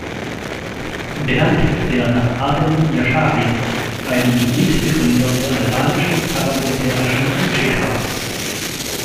Benannt ist der nach Adem Jashari, einem Mitbegründer der albanischen paramilitärischen UÇK.